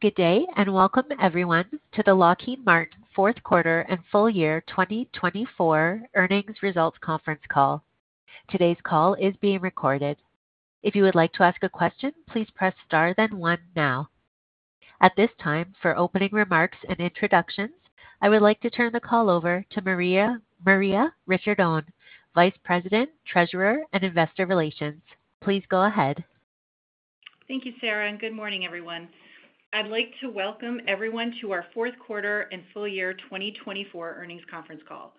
Good day and welcome, everyone, to the Lockheed Martin Fourth Quarter and Full Year 2024 Earnings Results Conference Call. Today's call is being recorded. If you would like to ask a question, please press star then one now. At this time, for opening remarks and introductions, I would like to turn the call over to Maria Ricciardone, Vice President, Treasurer, and Investor Relations. Please go ahead. Thank you, Sarah, and good morning, everyone. I'd like to welcome everyone to our fourth quarter and full year 2024 earnings conference call.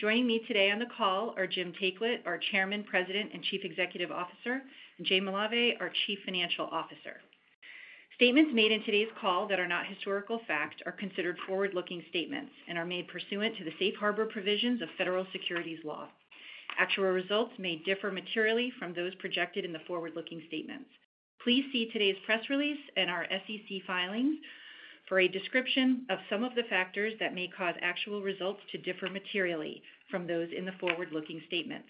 Joining me today on the call are Jim Taiclet, our Chairman, President, and Chief Executive Officer. Jay Malave, our Chief Financial Officer. Statements made in today's call that are not historical fact are considered forward-looking statements and are made pursuant to the safe harbor provisions of federal securities law. Actual results may differ materially from those projected in the forward-looking statements. Please see today's press release and our SEC filings for a description of some of the factors that may cause actual results to differ materially from those in the forward-looking statements.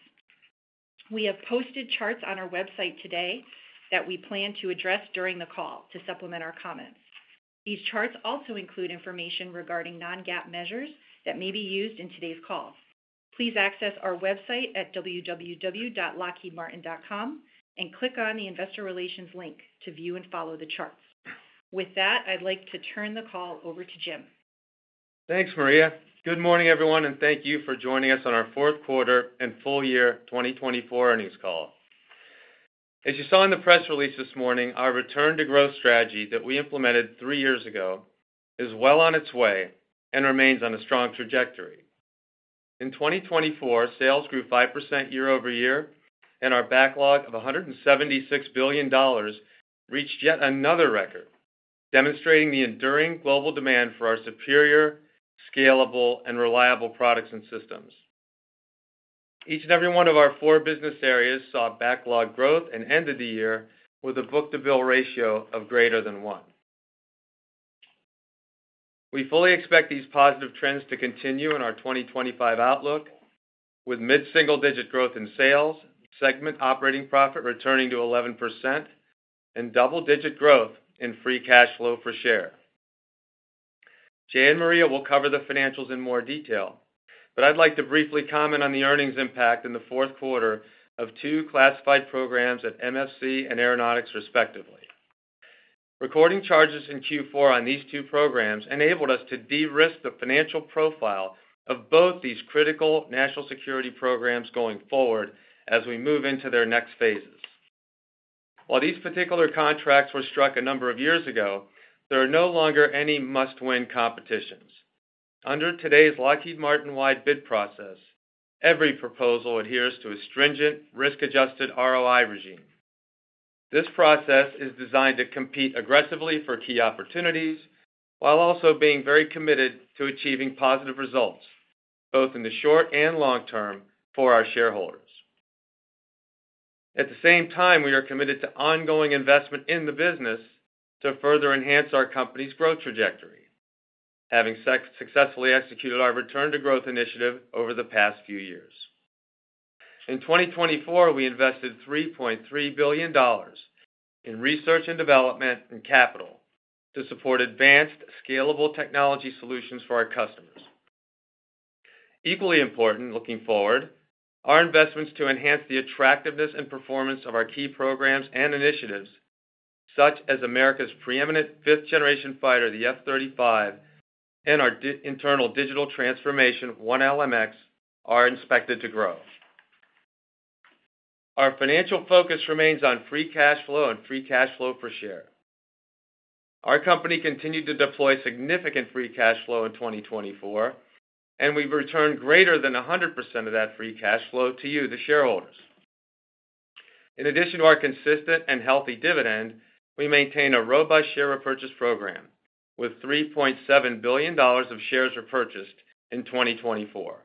We have posted charts on our website today that we plan to address during the call to supplement our comments. These charts also include information regarding Non-GAAP measures that may be used in today's call. Please access our website at www.lockheedmartin.com and click on the Investor Relations link to view and follow the charts. With that, I'd like to turn the call over to Jim. Thanks, Maria. Good morning, everyone, and thank you for joining us on our Fourth Quarter and Full Year 2024 Earnings Call. As you saw in the press release this morning, our return-to-growth strategy that we implemented three years ago is well on its way and remains on a strong trajectory. In 2024, sales grew 5% year-over-year, and our backlog of $176 billion reached yet another record, demonstrating the enduring global demand for our superior, scalable, and reliable products and systems. Each and every one of our four business areas saw backlog growth and ended the year with a book-to-bill ratio of greater than one. We fully expect these positive trends to continue in our 2025 outlook, with mid-single-digit growth in sales, segment operating profit returning to 11%, and double-digit growth in free cash flow per share. Jay and Maria will cover the financials in more detail, but I'd like to briefly comment on the earnings impact in the fourth quarter of two classified programs at MFC and Aeronautics, respectively. Recording charges in Q4 on these two programs enabled us to de-risk the financial profile of both these critical national security programs going forward as we move into their next phases. While these particular contracts were struck a number of years ago, there are no longer any must-win competitions. Under today's Lockheed Martin-wide bid process, every proposal adheres to a stringent, risk-adjusted ROI regime. This process is designed to compete aggressively for key opportunities while also being very committed to achieving positive results, both in the short and long term, for our shareholders. At the same time, we are committed to ongoing investment in the business to further enhance our company's growth trajectory, having successfully executed our return-to-growth initiative over the past few years. In 2024, we invested $3.3 billion in research and development and capital to support advanced, scalable technology solutions for our customers. Equally important, looking forward, our investments to enhance the attractiveness and performance of our key programs and initiatives, such as America's preeminent fifth-generation fighter, the F-35, and our internal digital transformation, 1LMX, are expected to grow. Our financial focus remains on free cash flow and free cash flow per share. Our company continued to deploy significant free cash flow in 2024, and we've returned greater than 100% of that free cash flow to you, the shareholders. In addition to our consistent and healthy dividend, we maintain a robust share repurchase program, with $3.7 billion of shares repurchased in 2024.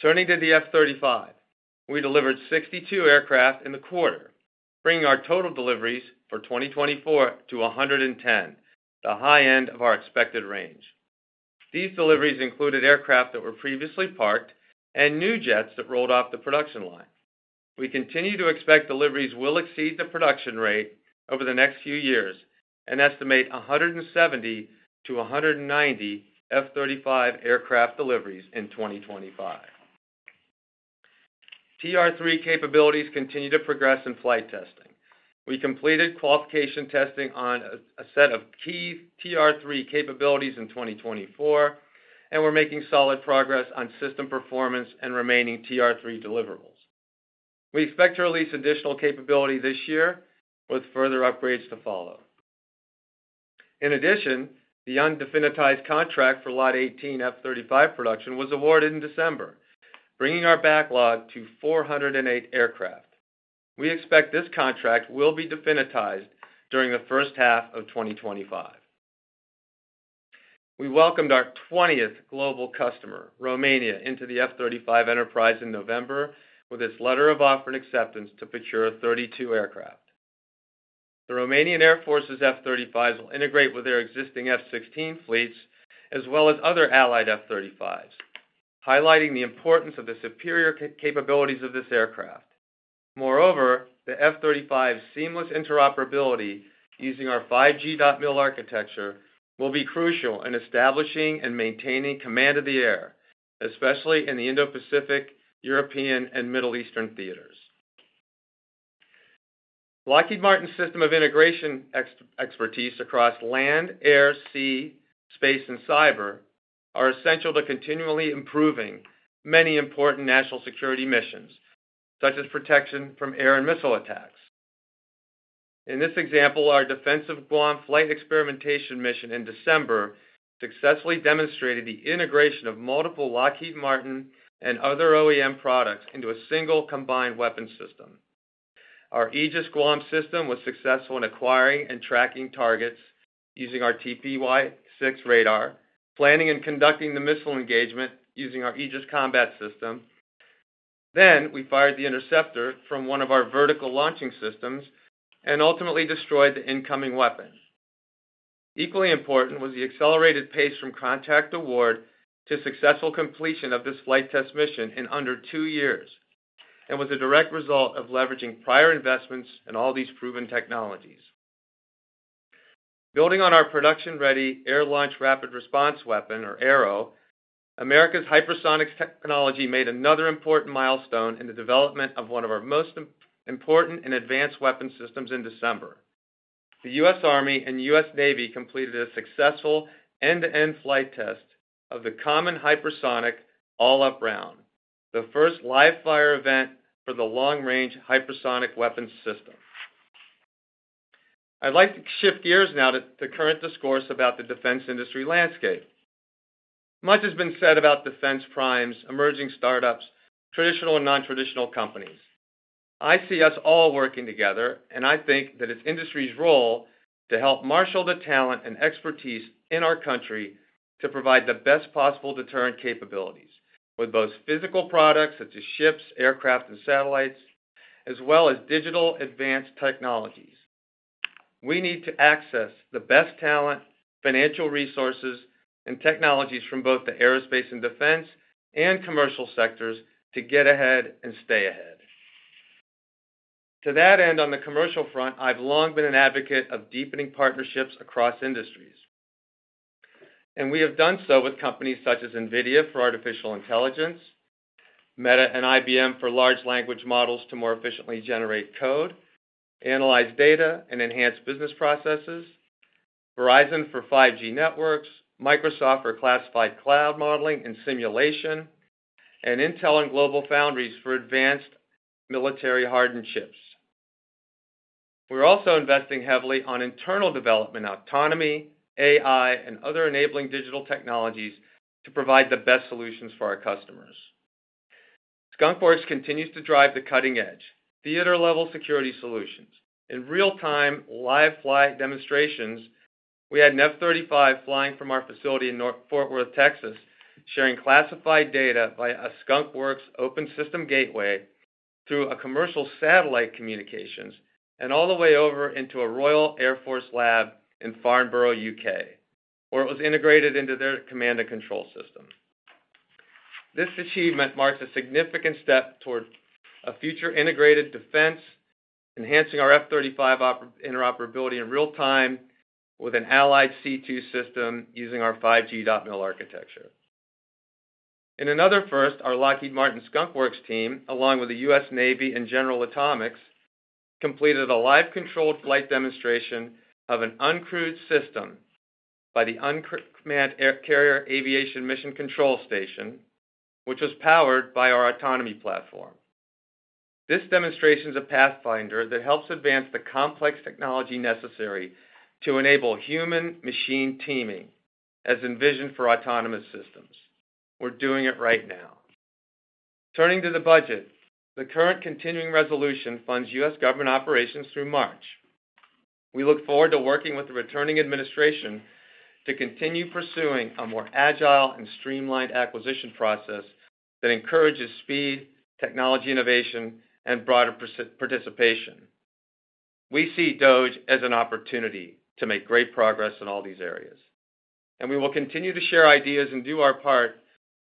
Turning to the F-35, we delivered 62 aircraft in the quarter, bringing our total deliveries for 2024 to 110, the high end of our expected range. These deliveries included aircraft that were previously parked and new jets that rolled off the production line. We continue to expect deliveries will exceed the production rate over the next few years and estimate 170-190 F-35 aircraft deliveries in 2025. TR-3 capabilities continue to progress in flight testing. We completed qualification testing on a set of key TR-3 capabilities in 2024, and we're making solid progress on system performance and remaining TR-3 deliverables. We expect to release additional capability this year, with further upgrades to follow. In addition, the undefinitized contract for Lot 18 F-35 production was awarded in December, bringing our backlog to 408 aircraft. We expect this contract will be definitized during the first half of 2025. We welcomed our 20th global customer, Romania, into the F-35 enterprise in November with its letter of offer and acceptance to procure 32 aircraft. The Romanian Air Force's F-35s will integrate with their existing F-16 fleets, as well as other allied F-35s, highlighting the importance of the superior capabilities of this aircraft. Moreover, the F-35's seamless interoperability using our 5G.MIL architecture will be crucial in establishing and maintaining command of the air, especially in the Indo-Pacific, European, and Middle Eastern theaters. Lockheed Martin's system of integration expertise across land, air, sea, Space, and cyber are essential to continually improving many important national security missions, such as protection from air and missile attacks. In this example, our Defensive Guam flight experimentation mission in December successfully demonstrated the integration of multiple Lockheed Martin and other OEM products into a single combined weapon system. Our Aegis Guam System was successful in acquiring and tracking targets using our TPY-6 radar, planning and conducting the missile engagement using our Aegis Combat System. Then we fired the interceptor from one of our vertical launching systems and ultimately destroyed the incoming weapon. Equally important was the accelerated pace from contract award to successful completion of this flight test mission in under two years and was a direct result of leveraging prior investments in all these proven technologies. Building on our production-ready Air-Launched Rapid Response Weapon, or ARRW, America's hypersonics technology made another important milestone in the development of one of our most important and advanced weapon systems in December. The U.S. Army and U.S. Navy completed a successful end-to-end flight test of the Common Hypersonic All-Up Round, the first live-fire event for the long-range hypersonic weapons system. I'd like to shift gears now to current discourse about the defense industry landscape. Much has been said about defense primes, emerging startups, traditional and non-traditional companies. I see us all working together, and I think that it's industry's role to help marshal the talent and expertise in our country to provide the best possible deterrent capabilities with both physical products such as ships, aircraft, and satellites, as well as digital advanced technologies. We need to access the best talent, financial resources, and technologies from both the aerospace and defense and commercial sectors to get ahead and stay ahead. To that end, on the commercial front, I've long been an advocate of deepening partnerships across industries, and we have done so with companies such as NVIDIA for artificial intelligence, Meta and IBM for large language models to more efficiently generate code, analyze data, and enhance business processes, Verizon for 5G networks, Microsoft for classified cloud modeling and simulation, and Intel and GlobalFoundries for advanced military-hardened chips. We're also investing heavily on internal development, autonomy, AI, and other enabling digital technologies to provide the best solutions for our customers. Skunk Works continues to drive the cutting edge, theater-level security solutions. In real-time live-flight demonstrations, we had an F-35 flying from our facility in Fort Worth, Texas, sharing classified data via a Skunk Works open system gateway through a commercial satellite communications and all the way over into a Royal Air Force lab in Farnborough, U.K., where it was integrated into their command and control system. This achievement marks a significant step toward a future integrated defense, enhancing our F-35 interoperability in real time with an allied C2 system using our 5G.MIL architecture. In another first, our Lockheed Martin Skunk Works team, along with the U.S. Navy and General Atomics, completed a live-controlled flight demonstration of an uncrewed system by the Uncrewed Carrier Aviation Mission Control Station, which was powered by our autonomy platform. This demonstration is a pathfinder that helps advance the complex technology necessary to enable human-machine teaming, as envisioned for autonomous systems. We're doing it right now. Turning to the budget, the current continuing resolution funds U.S. government operations through March. We look forward to working with the returning administration to continue pursuing a more agile and streamlined acquisition process that encourages speed, technology innovation, and broader participation. We see DOGE as an opportunity to make great progress in all these areas, and we will continue to share ideas and do our part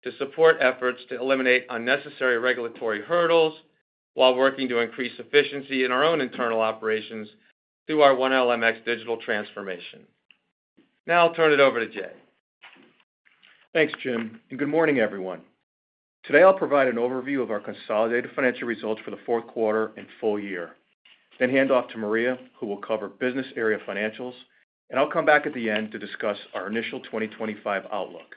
to support efforts to eliminate unnecessary regulatory hurdles while working to increase efficiency in our own internal operations through our 1LMX digital transformation. Now I'll turn it over to Jay. Thanks, Jim, and good morning, everyone. Today, I'll provide an overview of our consolidated financial results for the fourth quarter and full year, then hand off to Maria, who will cover business area financials, and I'll come back at the end to discuss our initial 2025 outlook.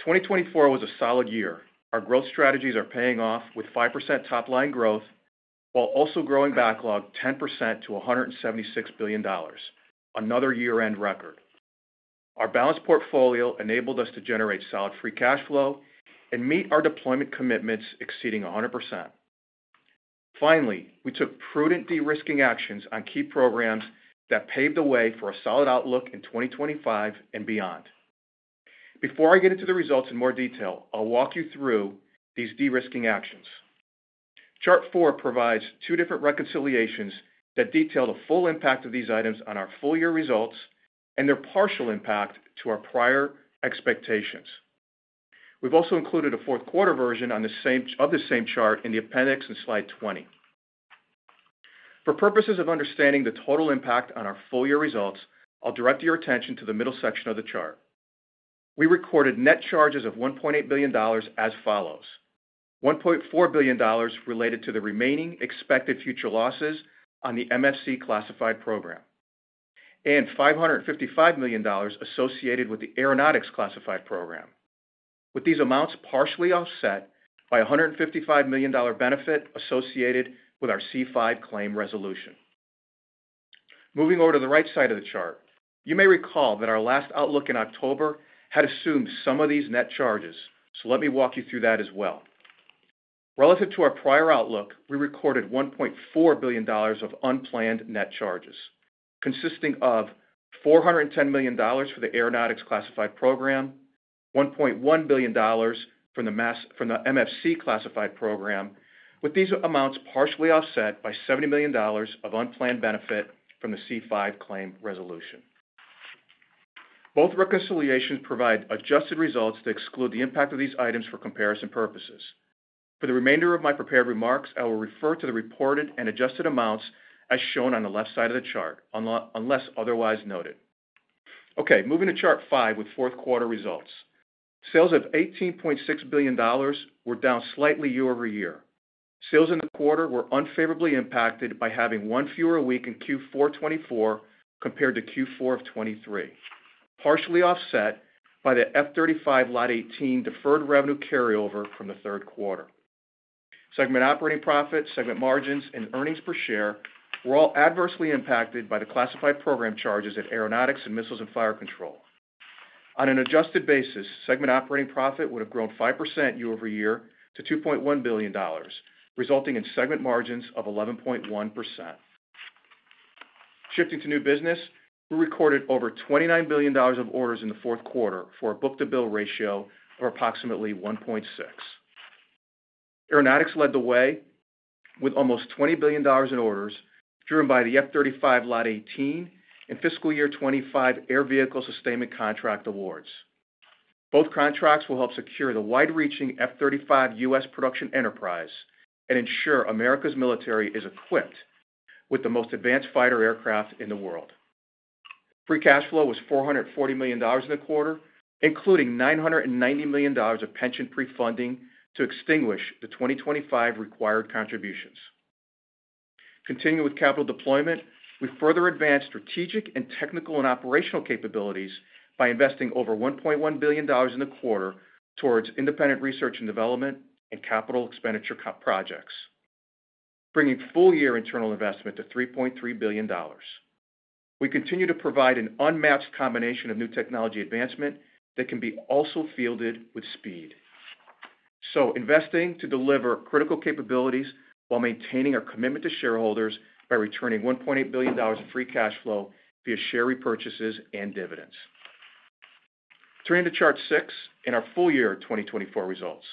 2024 was a solid year. Our growth strategies are paying off with 5% top-line growth while also growing backlog 10% to $176 billion, another year-end record. Our balanced portfolio enabled us to generate solid free cash flow and meet our deployment commitments exceeding 100%. Finally, we took prudent de-risking actions on key programs that paved the way for a solid outlook in 2025 and beyond. Before I get into the results in more detail, I'll walk you through these de-risking actions. Chart four provides two different reconciliations that detail the full impact of these items on our full-year results and their partial impact to our prior expectations. We've also included a fourth-quarter version of the same chart in the appendix and slide 20. For purposes of understanding the total impact on our full-year results, I'll direct your attention to the middle section of the chart. We recorded net charges of $1.8 billion as follows: $1.4 billion related to the remaining expected future losses on the MFC classified program and $555 million associated with the Aeronautics classified program, with these amounts partially offset by $155 million benefit associated with our C-5 claim resolution. Moving over to the right side of the chart, you may recall that our last outlook in October had assumed some of these net charges, so let me walk you through that as well. Relative to our prior outlook, we recorded $1.4 billion of unplanned net charges, consisting of $410 million for the Aeronautics classified program, $1.1 billion from the MFC classified program, with these amounts partially offset by $70 million of unplanned benefit from the C-5 claim resolution. Both reconciliations provide adjusted results to exclude the impact of these items for comparison purposes. For the remainder of my prepared remarks, I will refer to the reported and adjusted amounts as shown on the left side of the chart, unless otherwise noted. Okay, moving to chart five with fourth-quarter results. Sales of $18.6 billion were down slightly year-over-year. Sales in the quarter were unfavorably impacted by having one fewer week in Q4 2024 compared to Q4 of 2023, partially offset by the F-35 Lot 18 deferred revenue carryover from the third quarter. Segment operating profit, segment margins, and earnings per share were all adversely impacted by the classified program charges at Aeronautics and Missiles and Fire Control. On an adjusted basis, segment operating profit would have grown 5% year-over-year to $2.1 billion, resulting in segment margins of 11.1%. Shifting to new business, we recorded over $29 billion of orders in the fourth quarter for a book-to-bill ratio of approximately 1.6. Aeronautics led the way with almost $20 billion in orders driven by the F-35 Lot 18 and Fiscal Year 2025 Air Vehicle Sustainment Contract awards. Both contracts will help secure the wide-reaching F-35 U.S. production enterprise and ensure America's military is equipped with the most advanced fighter aircraft in the world. Free cash flow was $440 million in the quarter, including $990 million of pension pre-funding to extinguish the 2025 required contributions. Continuing with capital deployment, we further advanced strategic and technical and operational capabilities by investing over $1.1 billion in the quarter towards independent research and development and capital expenditure projects, bringing full-year internal investment to $3.3 billion. We continue to provide an unmatched combination of new technology advancement that can be also fielded with speed. So, investing to deliver critical capabilities while maintaining our commitment to shareholders by returning $1.8 billion of free cash flow via share repurchases and dividends. Turning to chart six and our full-year 2024 results,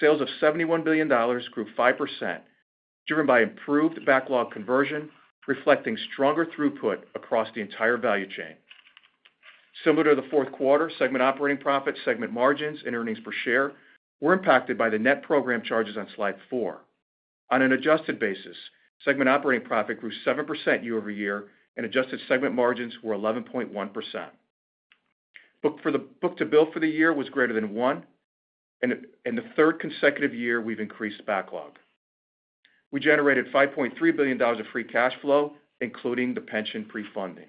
sales of $71 billion grew 5%, driven by improved backlog conversion, reflecting stronger throughput across the entire value chain. Similar to the fourth quarter, segment operating profit, segment margins, and earnings per share were impacted by the net program charges on slide four. On an adjusted basis, segment operating profit grew 7% year-over-year, and adjusted segment margins were 11.1%. Book-to-bill for the year was greater than one, and the third consecutive year we've increased backlog. We generated $5.3 billion of free cash flow, including the pension pre-funding.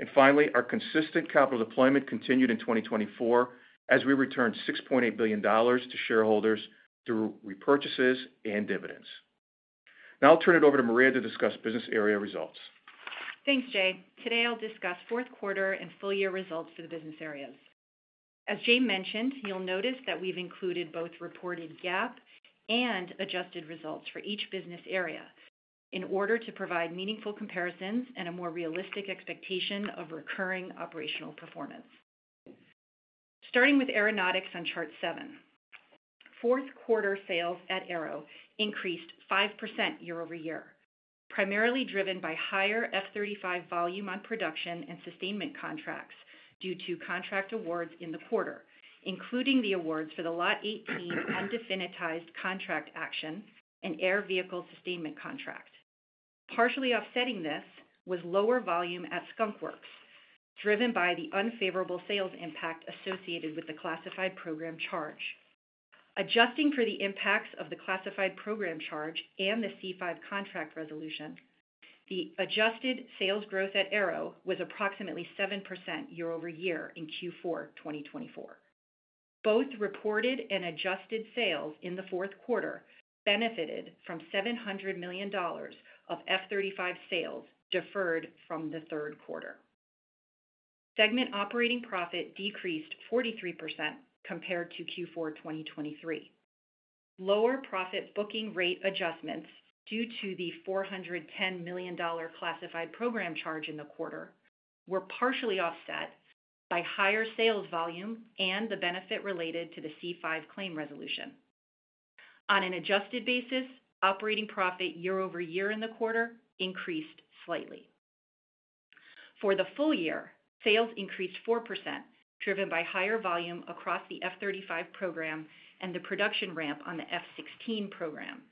And finally, our consistent capital deployment continued in 2024 as we returned $6.8 billion to shareholders through repurchases and dividends. Now I'll turn it over to Maria to discuss business area results. Thanks, Jay. Today, I'll discuss fourth-quarter and full-year results for the business areas. As Jay mentioned, you'll notice that we've included both reported GAAP and adjusted results for each business area in order to provide meaningful comparisons and a more realistic expectation of recurring operational performance. Starting with Aeronautics on chart seven, fourth-quarter sales at Aero increased 5% year-over-year, primarily driven by higher F-35 volume on production and sustainment contracts due to contract awards in the quarter, including the awards for the Lot 18 undefinitized contract action and air vehicle sustainment contract. Partially offsetting this was lower volume at Skunk Works, driven by the unfavorable sales impact associated with the classified program charge. Adjusting for the impacts of the classified program charge and the C-5 contract resolution, the adjusted sales growth at Aero was approximately 7% year-over-year in Q4 2024. Both reported and adjusted sales in the fourth quarter benefited from $700 million of F-35 sales deferred from the third quarter. Segment operating profit decreased 43% compared to Q4 2023. Lower profit booking rate adjustments due to the $410 million classified program charge in the quarter were partially offset by higher sales volume and the benefit related to the C-5 claim resolution. On an adjusted basis, operating profit year-over-year in the quarter increased slightly. For the full year, sales increased 4%, driven by higher volume across the F-35 program and the production ramp on the F-16 program,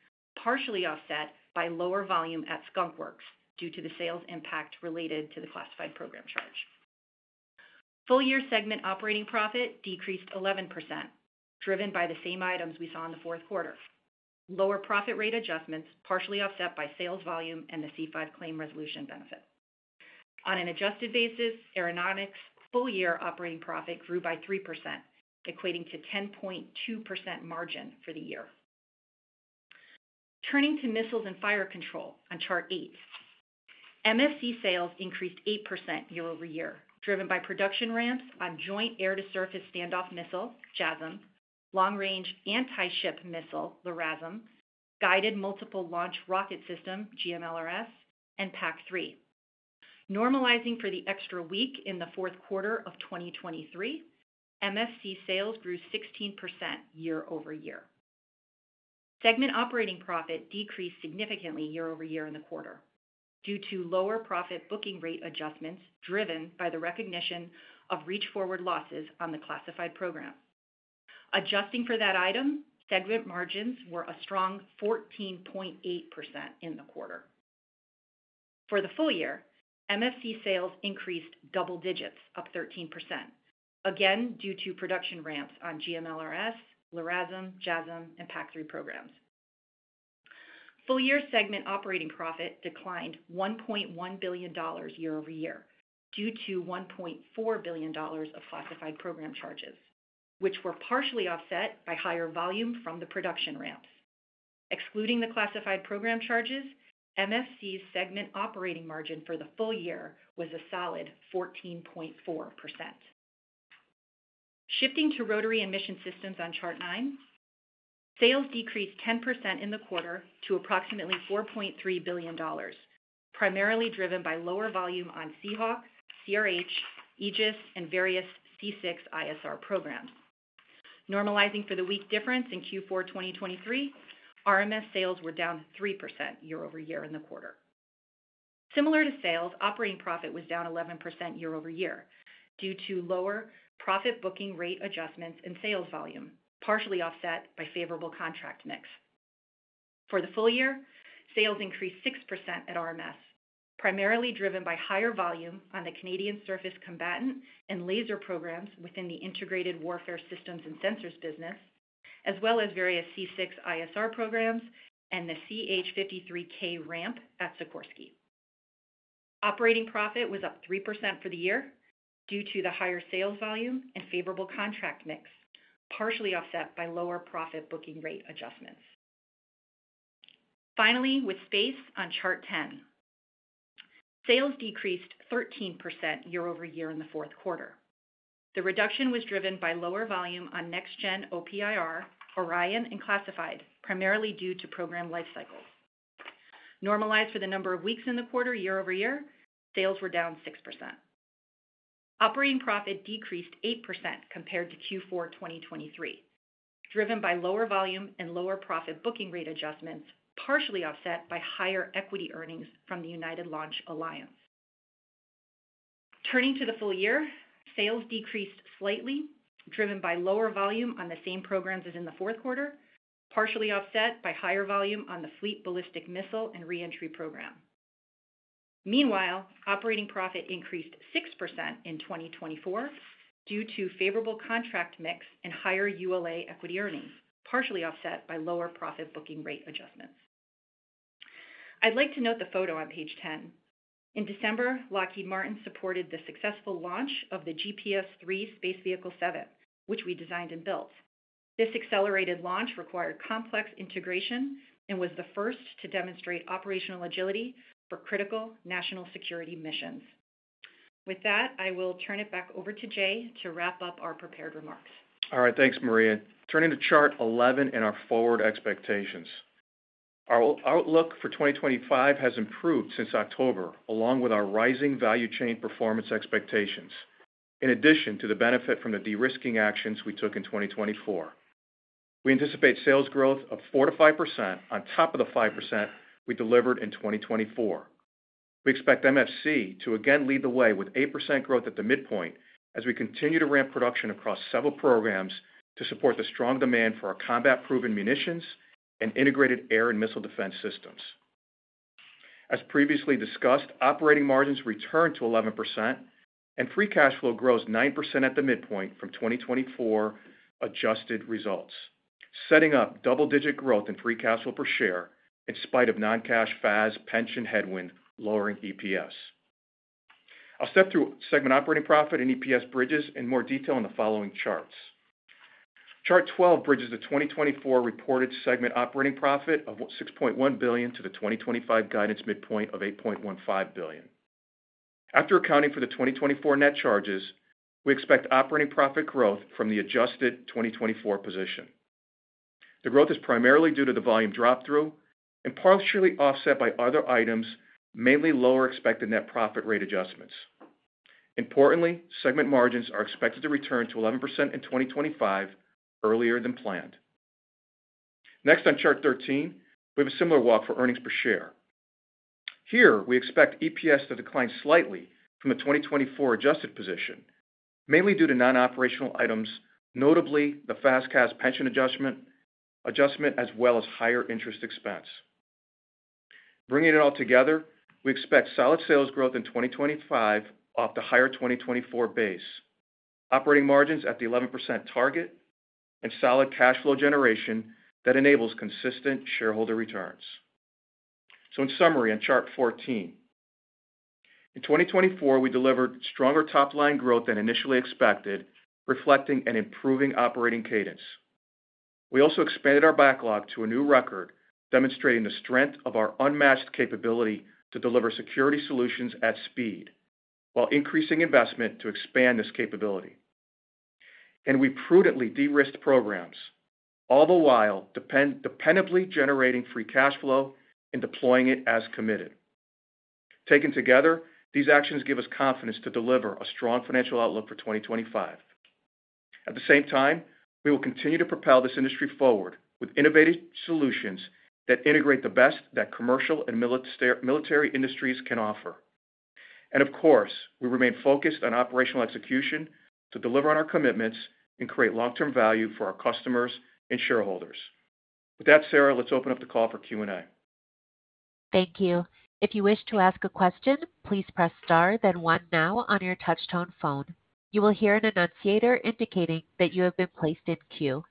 partially offset by lower volume at Skunk Works due to the sales impact related to the classified program charge. Full-year segment operating profit decreased 11%, driven by the same items we saw in the fourth quarter. Lower profit rate adjustments partially offset by sales volume and the C-5 claim resolution benefit. On an adjusted basis, Aeronautics' full-year operating profit grew by 3%, equating to 10.2% margin for the year. Turning to Missiles and Fire Control on chart eight, MFC sales increased 8% year-over-year, driven by production ramps on joint air-to-surface standoff missile, JASSM, long-range anti-ship missile, LRASM, guided multiple launch rocket system, GMLRS, and PAC-3. Normalizing for the extra week in the fourth quarter of 2023, MFC sales grew 16% year-over-year. Segment operating profit decreased significantly year-over-year in the quarter due to lower profit booking rate adjustments driven by the recognition of reach-forward losses on the classified program. Adjusting for that item, segment margins were a strong 14.8% in the quarter. For the full year, MFC sales increased double digits, up 13%, again due to production ramps on GMLRS, LRASM, JASSM, and PAC-3 programs. Full-year segment operating profit declined $1.1 billion year-over-year due to $1.4 billion of classified program charges, which were partially offset by higher volume from the production ramps. Excluding the classified program charges, MFC's segment operating margin for the full year was a solid 14.4%. Shifting to rotary and mission systems on chart nine, sales decreased 10% in the quarter to approximately $4.3 billion, primarily driven by lower volume on Seahawk, CRH, Aegis, and various C6ISR programs. Normalizing for the week difference in Q4 2023, RMS sales were down 3% year-over-year in the quarter. Similar to sales, operating profit was down 11% year-over-year due to lower profit booking rate adjustments in sales volume, partially offset by favorable contract mix. For the full year, sales increased 6% at RMS, primarily driven by higher volume on the Canadian Surface Combatant and laser programs within the integrated warfare systems and sensors business, as well as various C6ISR programs and the CH-53K ramp at Sikorsky. Operating profit was up 3% for the year due to the higher sales volume and favorable contract mix, partially offset by lower profit booking rate adjustments. Finally, with Space on chart 10, sales decreased 13% year-over-year in the fourth quarter. The reduction was driven by lower volume on Next-Gen OPIR, Orion, and classified, primarily due to program life cycles. Normalized for the number of weeks in the quarter year-over-year, sales were down 6%. Operating profit decreased 8% compared to Q4 2023, driven by lower volume and lower profit booking rate adjustments, partially offset by higher equity earnings from the United Launch Alliance. Turning to the full year, sales decreased slightly, driven by lower volume on the same programs as in the fourth quarter, partially offset by higher volume on the Fleet Ballistic Missile and Reentry program. Meanwhile, operating profit increased 6% in 2024 due to favorable contract mix and higher ULA equity earnings, partially offset by lower profit booking rate adjustments. I'd like to note the photo on page 10. In December, Lockheed Martin supported the successful launch of the GPS III space vehicle 7, which we designed and built. This accelerated launch required complex integration and was the first to demonstrate operational agility for critical national security missions. With that, I will turn it back over to Jay to wrap up our prepared remarks. All right, thanks, Maria. Turning to chart 11 and our forward expectations. Our outlook for 2025 has improved since October, along with our rising value chain performance expectations, in addition to the benefit from the de-risking actions we took in 2024. We anticipate sales growth of 4%-5% on top of the 5% we delivered in 2024. We expect MFC to again lead the way with 8% growth at the midpoint as we continue to ramp production across several programs to support the strong demand for our combat-proven munitions and integrated air and missile defense systems. As previously discussed, operating margins returned to 11%, and free cash flow grows 9% at the midpoint from 2024 adjusted results, setting up double-digit growth in free cash flow per share in spite of non-cash FAS pension headwind lowering EPS. I'll step through segment operating profit and EPS bridges in more detail in the following charts. Chart 12 bridges the 2024 reported segment operating profit of $6.1 billion to the 2025 guidance midpoint of $8.15 billion. After accounting for the 2024 net charges, we expect operating profit growth from the adjusted 2024 position. The growth is primarily due to the volume drop-through and partially offset by other items, mainly lower expected net profit rate adjustments. Importantly, segment margins are expected to return to 11% in 2025 earlier than planned. Next, on chart 13, we have a similar walk for earnings per share. Here, we expect EPS to decline slightly from the 2024 adjusted position, mainly due to non-operational items, notably the FAS/CAS pension adjustment, as well as higher interest expense. Bringing it all together, we expect solid sales growth in 2025 off the higher 2024 base, operating margins at the 11% target, and solid cash flow generation that enables consistent shareholder returns, so in summary, on chart 14, in 2024, we delivered stronger top-line growth than initially expected, reflecting an improving operating cadence. We also expanded our backlog to a new record, demonstrating the strength of our unmatched capability to deliver security solutions at speed while increasing investment to expand this capability, and we prudently de-risked programs, all the while dependably generating free cash flow and deploying it as committed. Taken together, these actions give us confidence to deliver a strong financial outlook for 2025. At the same time, we will continue to propel this industry forward with innovative solutions that integrate the best that commercial and military industries can offer. Of course, we remain focused on operational execution to deliver on our commitments and create long-term value for our customers and shareholders. With that, Sarah, let's open up the call for Q&A. Thank you. If you wish to ask a question, please press star, then one now on your touch-tone phone. You will hear an annunciator indicating that you have been placed in queue.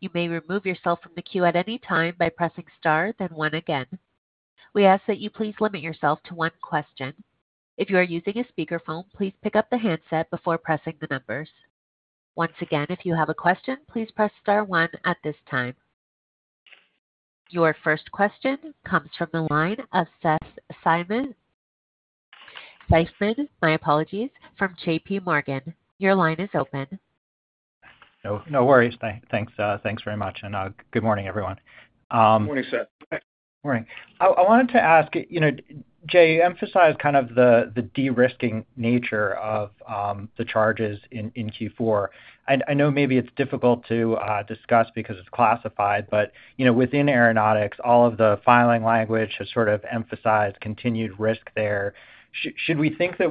You may remove yourself from the queue at any time by pressing star, then one again. We ask that you please limit yourself to one question. If you are using a speakerphone, please pick up the handset before pressing the numbers. Once again, if you have a question, please press star one at this time. Your first question comes from the line of Seth Seifman. My apologies, from JPMorgan. Your line is open. No worries. Thanks very much. And good morning, everyone. Morning, Seth. Morning. I wanted to ask, Jay, you emphasized kind of the de-risking nature of the charges in Q4. I know maybe it's difficult to discuss because it's classified, but within Aeronautics, all of the filing language has sort of emphasized continued risk there. Should we think that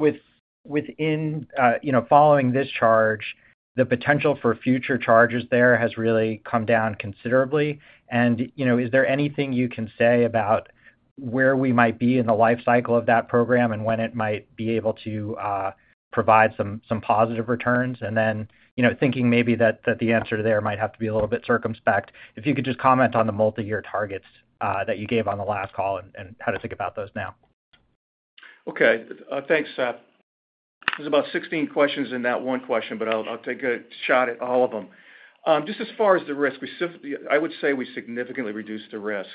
within following this charge, the potential for future charges there has really come down considerably? And is there anything you can say about where we might be in the life cycle of that program and when it might be able to provide some positive returns? And then thinking maybe that the answer there might have to be a little bit circumspect, if you could just comment on the multi-year targets that you gave on the last call and how to think about those now. Okay. Thanks, Seth. There's about 16 questions in that one question, but I'll take a shot at all of them. Just as far as the risk, I would say we significantly reduced the risk.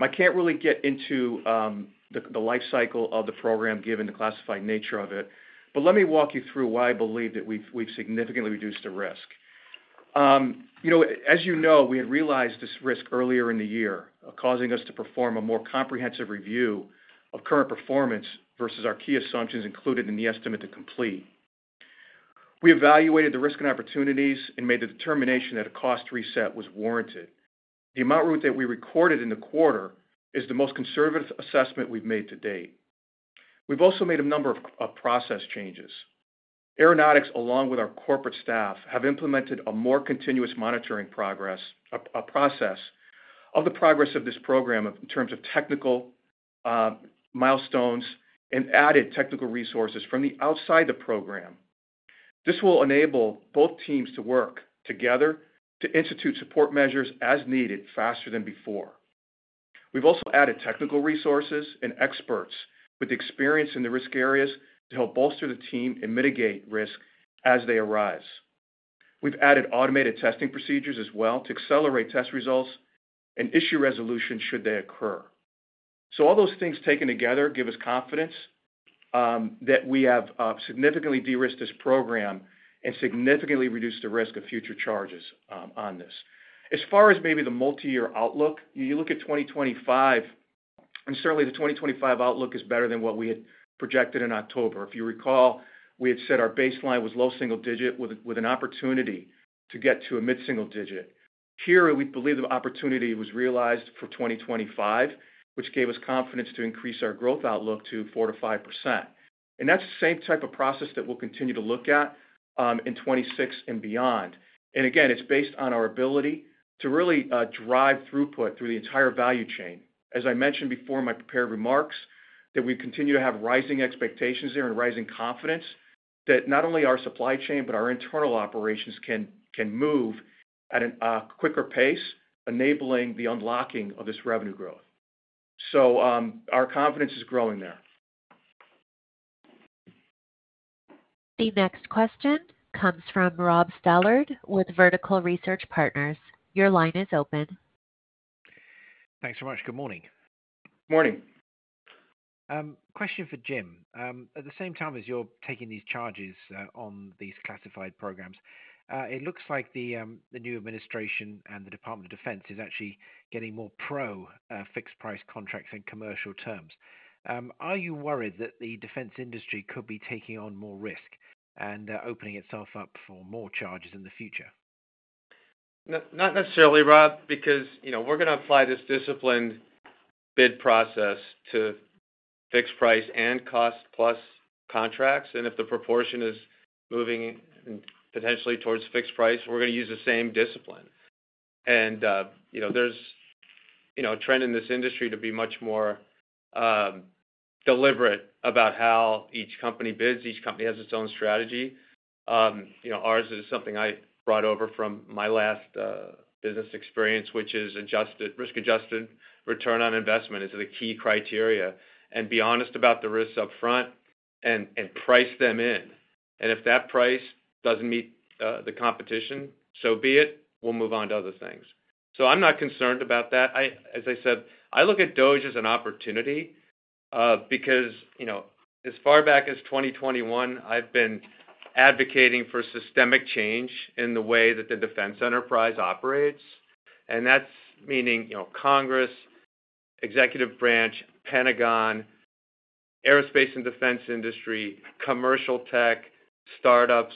I can't really get into the life cycle of the program given the classified nature of it, but let me walk you through why I believe that we've significantly reduced the risk. As you know, we had realized this risk earlier in the year, causing us to perform a more comprehensive review of current performance versus our key assumptions included in the estimate to complete. We evaluated the risk and opportunities and made the determination that a cost reset was warranted. The amount that we recorded in the quarter is the most conservative assessment we've made to date. We've also made a number of process changes. Aeronautics, along with our corporate staff, have implemented a more continuous monitoring process of the progress of this program in terms of technical milestones and added technical resources from outside the program. This will enable both teams to work together to institute support measures as needed faster than before. We've also added technical resources and experts with experience in the risk areas to help bolster the team and mitigate risk as they arise. We've added automated testing procedures as well to accelerate test results and issue resolution should they occur. All those things taken together give us confidence that we have significantly de-risked this program and significantly reduced the risk of future charges on this. As far as maybe the multi-year outlook, you look at 2025, and certainly the 2025 outlook is better than what we had projected in October. If you recall, we had said our baseline was low single digit with an opportunity to get to a mid-single digit. Here, we believe the opportunity was realized for 2025, which gave us confidence to increase our growth outlook to 4%-5%. And that's the same type of process that we'll continue to look at in 2026 and beyond. And again, it's based on our ability to really drive throughput through the entire value chain. As I mentioned before in my prepared remarks, that we continue to have rising expectations there and rising confidence that not only our supply chain, but our internal operations can move at a quicker pace, enabling the unlocking of this revenue growth. So our confidence is growing there. The next question comes from Rob Stallard with Vertical Research Partners. Your line is open. Thanks so much. Good morning. Good morning. Question for Jim. At the same time as you're taking these charges on these classified programs, it looks like the new administration and the Department of Defense is actually getting more pro-fixed price contracts and commercial terms. Are you worried that the defense industry could be taking on more risk and opening itself up for more charges in the future? Not necessarily, Rob, because we're going to apply this disciplined bid process to fixed price and cost plus contracts, and if the proportion is moving potentially towards fixed price, we're going to use the same discipline, and there's a trend in this industry to be much more deliberate about how each company bids. Each company has its own strategy. Ours is something I brought over from my last business experience, which is risk-adjusted return on investment is the key criteria, and be honest about the risks upfront and price them in, and if that price doesn't meet the competition, so be it, we'll move on to other things, so I'm not concerned about that. As I said, I look at DOGE as an opportunity because as far back as 2021, I've been advocating for systemic change in the way that the defense enterprise operates. And that means Congress, executive branch, Pentagon, aerospace and defense industry, commercial tech, startups.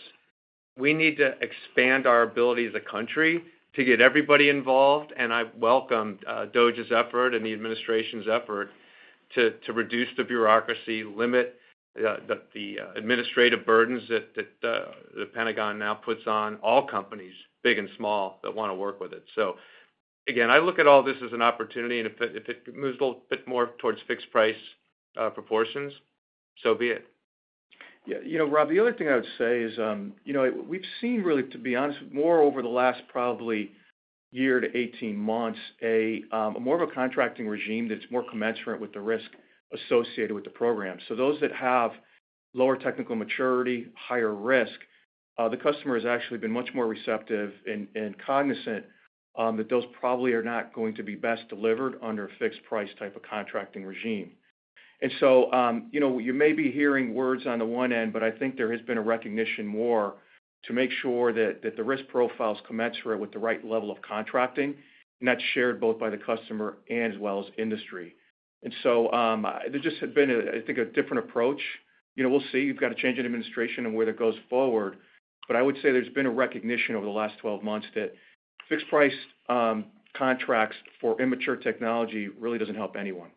We need to expand our ability as a country to get everybody involved. And I welcome DOGE's effort and the administration's effort to reduce the bureaucracy, limit the administrative burdens that the Pentagon now puts on all companies, big and small, that want to work with it. So again, I look at all this as an opportunity. And if it moves a little bit more towards fixed price proportions, so be it. Yeah. Rob, the other thing I would say is we've seen, really, to be honest, more over the last probably year to 18 months, more of a contracting regime that's more commensurate with the risk associated with the program. So those that have lower technical maturity, higher risk, the customer has actually been much more receptive and cognizant that those probably are not going to be best delivered under a fixed price type of contracting regime. And so you may be hearing words on the one end, but I think there has been a recognition more to make sure that the risk profile is commensurate with the right level of contracting. And that's shared both by the customer and as well as industry. And so there just had been, I think, a different approach. We'll see. You've got to change administration and where that goes forward. But I would say there's been a recognition over the last 12 months that fixed price contracts for immature technology really doesn't help anyone.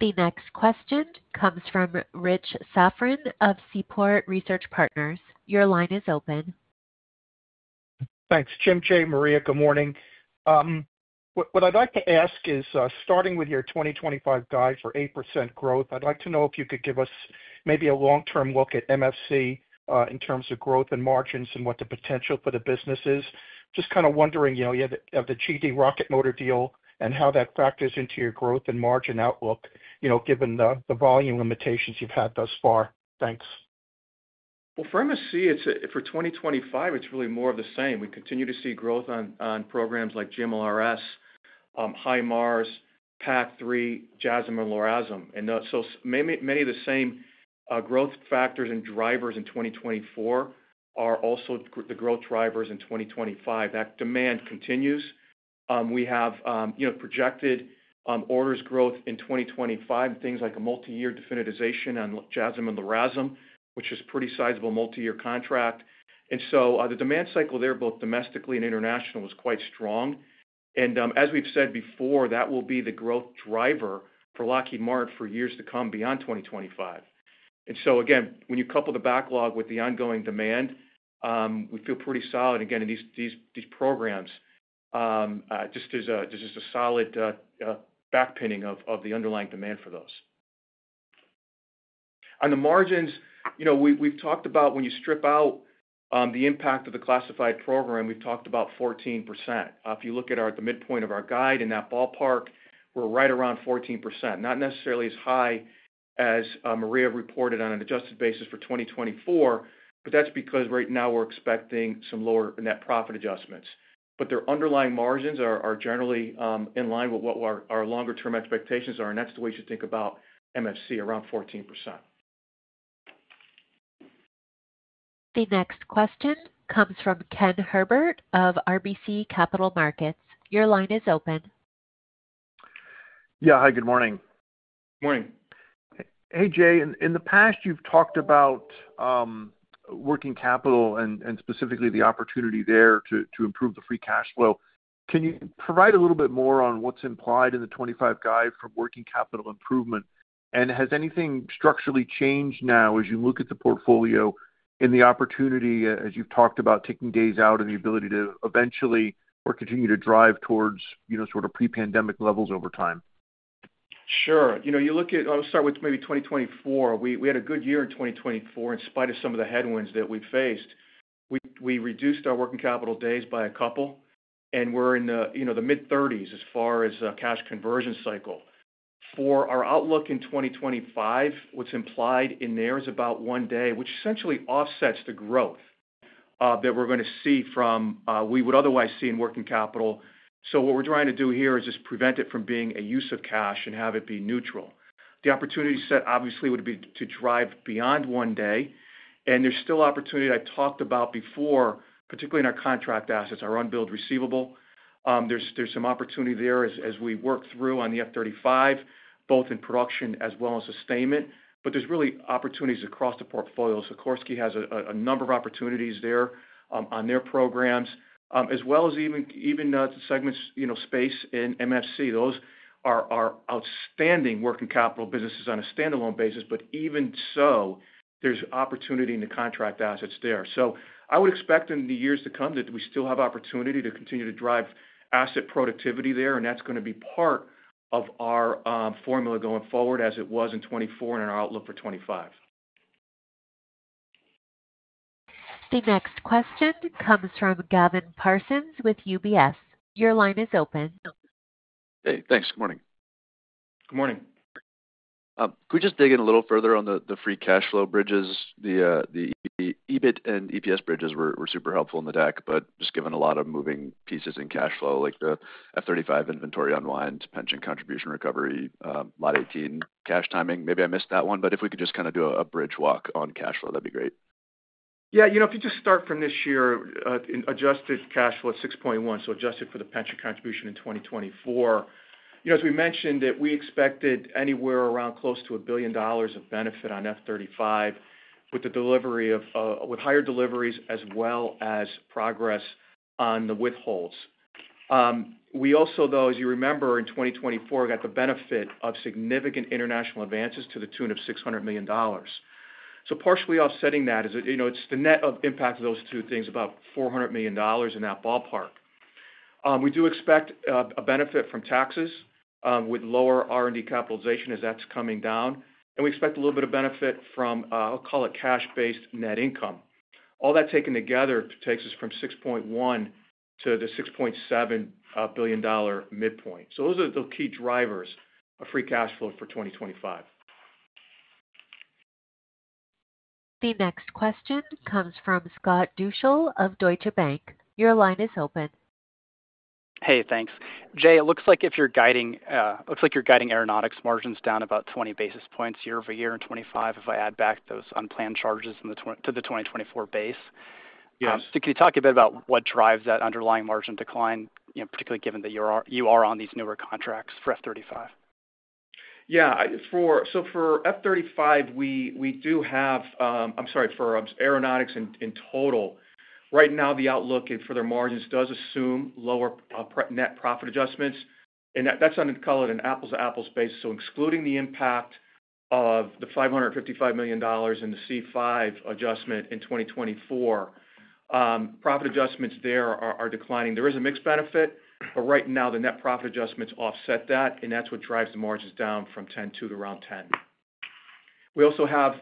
The next question comes from Rich Safran of Seaport Research Partners. Your line is open. Thanks. Jim, Jay, Maria, good morning. What I'd like to ask is, starting with your 2025 guide for 8% growth, I'd like to know if you could give us maybe a long-term look at MFC in terms of growth and margins and what the potential for the business is. Just kind of wondering, you have the GD Rocket Motor deal and how that factors into your growth and margin outlook given the volume limitations you've had thus far. Thanks. For MFC for 2025, it's really more of the same. We continue to see growth on programs like GMLRS, HIMARS, PAC-3, JASSM, LRASM. And so many of the same growth factors and drivers in 2024 are also the growth drivers in 2025. That demand continues. We have projected orders growth in 2025, things like a multi-year definitization on JASSM, LRASM, which is a pretty sizable multi-year contract. And so the demand cycle there, both domestically and international, was quite strong. And as we've said before, that will be the growth driver for Lockheed Martin for years to come beyond 2025. And so again, when you couple the backlog with the ongoing demand, we feel pretty solid. And again, in these programs, just there's a solid backstopping of the underlying demand for those. On the margins, we've talked about when you strip out the impact of the classified program, we've talked about 14%. If you look at the midpoint of our guide in that ballpark, we're right around 14%. Not necessarily as high as Maria reported on an adjusted basis for 2024, but that's because right now we're expecting some lower net profit adjustments, but their underlying margins are generally in line with what our longer-term expectations are, and that's the way you should think about MFC, around 14%. The next question comes from Ken Herbert of RBC Capital Markets. Your line is open. Yeah. Hi, good morning. Good morning. Hey, Jay. In the past, you've talked about working capital and specifically the opportunity there to improve the free cash flow. Can you provide a little bit more on what's implied in the 2025 guide for working capital improvement? And has anything structurally changed now as you look at the portfolio in the opportunity, as you've talked about, taking days out and the ability to eventually or continue to drive towards sort of pre-pandemic levels over time? Sure. You look at, I'll start with maybe 2024. We had a good year in 2024. In spite of some of the headwinds that we faced, we reduced our working capital days by a couple, and we're in the mid-30s as far as cash conversion cycle. For our outlook in 2025, what's implied in there is about one day, which essentially offsets the growth that we're going to see from we would otherwise see in working capital. So what we're trying to do here is just prevent it from being a use of cash and have it be neutral. The opportunity set, obviously, would be to drive beyond one day, and there's still opportunity I talked about before, particularly in our contract assets, our unbilled receivable. There's some opportunity there as we work through on the F-35, both in production as well as sustainment. But there's really opportunities across the portfolio. Sikorsky has a number of opportunities there on their programs, as well as even segments space in MFC. Those are outstanding working capital businesses on a standalone basis. But even so, there's opportunity in the contract assets there. So I would expect in the years to come that we still have opportunity to continue to drive asset productivity there. And that's going to be part of our formula going forward as it was in 2024 and our outlook for 2025. The next question comes from Gavin Parsons with UBS. Your line is open. Hey. Thanks. Good morning. Good morning. Could we just dig in a little further on the free cash flow bridges? The EBIT and EPS bridges were super helpful in the deck, but just given a lot of moving pieces in cash flow, like the F-35 inventory unwind, pension contribution recovery, Lot 18 cash timing. Maybe I missed that one. But if we could just kind of do a bridge walk on cash flow, that'd be great. Yeah. If you just start from this year, adjusted cash flow at $6.1 billion, so adjusted for the pension contribution in 2024, as we mentioned, that we expected anywhere around close to $1 billion of benefit on F-35 with higher deliveries as well as progress on the withholds. We also, though, as you remember, in 2024, got the benefit of significant international advances to the tune of $600 million. So partially offsetting that, it's the net impact of those two things, about $400 million in that ballpark. We do expect a benefit from taxes with lower R&D capitalization as that's coming down. And we expect a little bit of benefit from, I'll call it, cash-based net income. All that taken together takes us from $6.1 billion to the $6.7 billion midpoint. So those are the key drivers of free cash flow for 2025. The next question comes from Scott Deuschle of Deutsche Bank. Your line is open. Hey, thanks. Jay, it looks like you're guiding aeronautics margins down about 20 basis points year-over-year in 2025 if I add back those unplanned charges to the 2024 base. So can you talk a bit about what drives that underlying margin decline, particularly given that you are on these newer contracts for F-35? Yeah. So for F-35, we do have, I'm sorry, for aeronautics in total, right now the outlook for their margins does assume lower net profit adjustments. And that's on, call it, an apples-to-apples basis. So excluding the impact of the $555 million in the C-5 adjustment in 2024, profit adjustments there are declining. There is a mixed benefit, but right now the net profit adjustments offset that. And that's what drives the margins down from 10 to around 10. We also have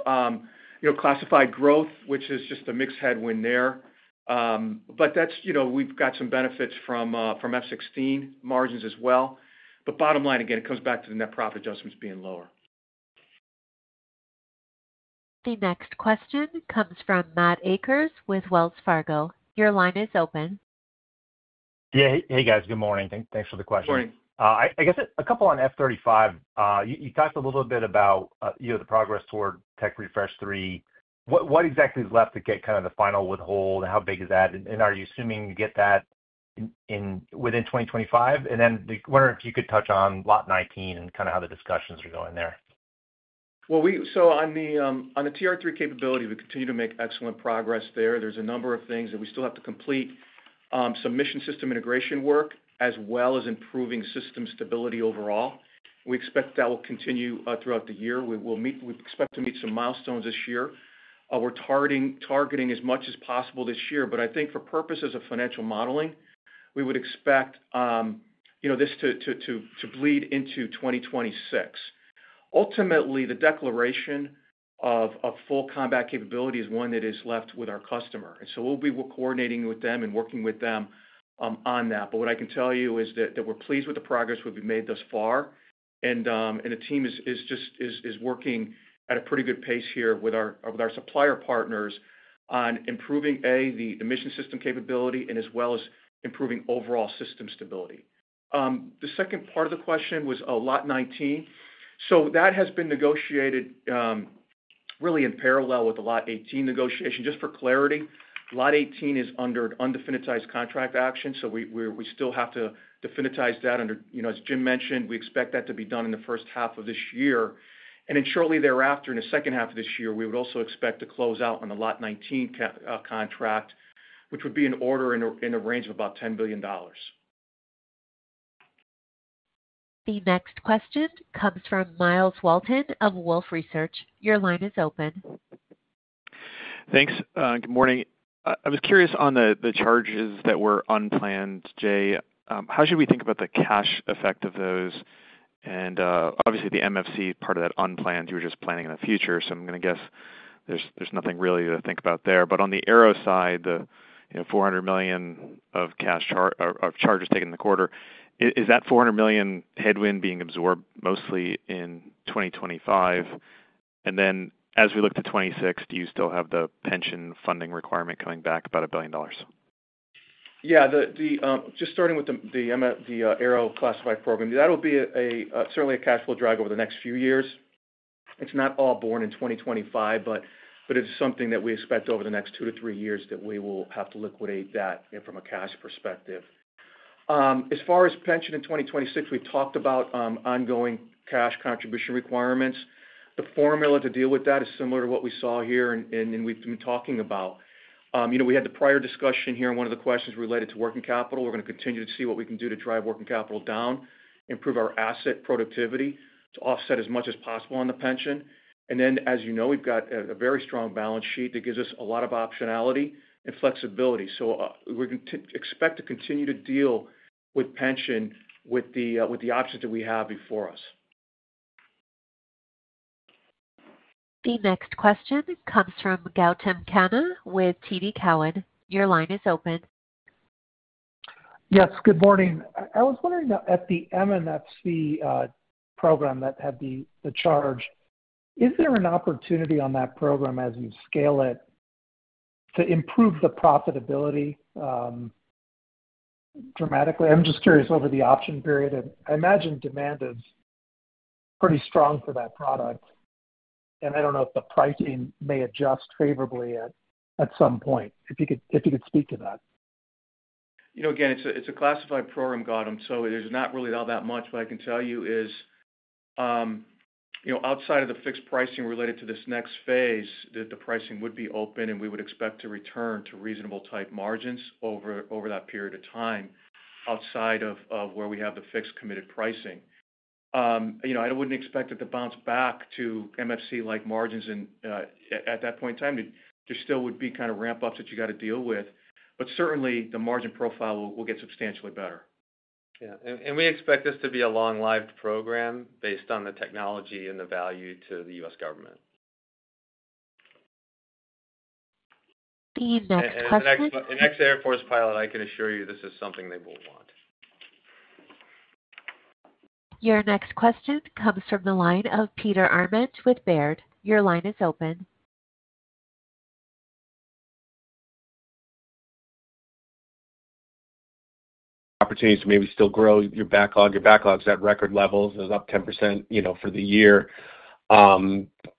classified growth, which is just a mixed headwind there. But we've got some benefits from F-16 margins as well. But bottom line, again, it comes back to the net profit adjustments being lower. The next question comes from Matt Akers with Wells Fargo. Your line is open. Yeah. Hey, guys. Good morning. Thanks for the question. Good morning. I guess a couple on F-35. You talked a little bit about the progress toward Tech Refresh 3. What exactly is left to get kind of the final withhold? How big is that? And are you assuming you get that within 2025? And then wondering if you could touch on Lot 19 and kind of how the discussions are going there. On the TR-3 capability, we continue to make excellent progress there. There's a number of things that we still have to complete: subsystem integration work as well as improving system stability overall. We expect that will continue throughout the year. We expect to meet some milestones this year. We're targeting as much as possible this year. I think for purposes of financial modeling, we would expect this to bleed into 2026. Ultimately, the declaration of full combat capability is one that is left with our customer. We'll be coordinating with them and working with them on that. What I can tell you is that we're pleased with the progress we've made thus far. The team is just working at a pretty good pace here with our supplier partners on improving, A, the mission system capability and as well as improving overall system stability. The second part of the question was Lot 19. That has been negotiated really in parallel with the Lot 18 negotiation. Just for clarity, Lot 18 is under undefinitized contract action. We still have to definitize that under, as Jim mentioned, we expect that to be done in the first half of this year. Then shortly thereafter, in the second half of this year, we would also expect to close out on the Lot 19 contract, which would be an order in the range of about $10 billion. The next question comes from Myles Walton of Wolfe Research. Your line is open. Thanks. Good morning. I was curious on the charges that were unplanned, Jay. How should we think about the cash effect of those? And obviously, the MFC part of that unplanned, you were just planning in the future. So I'm going to guess there's nothing really to think about there. But on the ARRW side, the $400 million of charges taken in the quarter, is that $400 million headwind being absorbed mostly in 2025? And then as we look to 2026, do you still have the pension funding requirement coming back about $1 billion? Yeah. Just starting with the ARRW classified program, that will be certainly a cash flow drag over the next few years. It's not all borne in 2025, but it's something that we expect over the next two to three years that we will have to liquidate that from a cash perspective. As far as pension in 2026, we've talked about ongoing cash contribution requirements. The formula to deal with that is similar to what we saw here and we've been talking about. We had the prior discussion here. One of the questions related to working capital. We're going to continue to see what we can do to drive working capital down, improve our asset productivity to offset as much as possible on the pension. And then, as you know, we've got a very strong balance sheet that gives us a lot of optionality and flexibility. So we expect to continue to deal with pension with the options that we have before us. The next question comes from Gautam Khanna with TD Cowen. Your line is open. Yes. Good morning. I was wondering about the MMFC program that had the charge, is there an opportunity on that program as you scale it to improve the profitability dramatically? I'm just curious over the option period. I imagine demand is pretty strong for that product. And I don't know if the pricing may adjust favorably at some point. If you could speak to that. Again, it's a classified program, Gautam. So there's not really all that much. What I can tell you is outside of the fixed pricing related to this next phase, that the pricing would be open and we would expect to return to reasonable-type margins over that period of time outside of where we have the fixed committed pricing. I wouldn't expect it to bounce back to MFC-like margins at that point in time. There still would be kind of ramp-ups that you got to deal with. But certainly, the margin profile will get substantially better. Yeah, and we expect this to be a long-lived program based on the technology and the value to the U.S. government. The next question. Next Air Force pilot, I can assure you this is something they will want. Your next question comes from the line of Peter Arment with Baird. Your line is open. Opportunities to maybe still grow your backlog. Your backlog's at record levels. It's up 10% for the year.